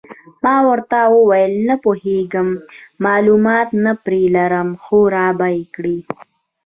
ما ورته وویل: نه پوهېږم، معلومات نه پرې لرم، خو را به یې کړي.